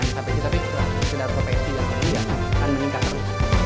aneh sampai kita tapi sekedar profesi ya kan meningkat terus